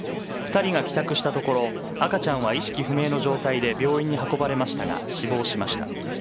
２人が帰宅したところ赤ちゃんは意識不明の状態で病院に運ばれましたが死亡しました。